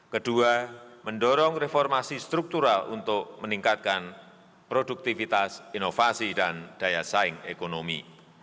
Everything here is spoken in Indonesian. kedua mendorong reformasi struktural untuk meningkatkan produktivitas inovasi dan daya saing ekonomi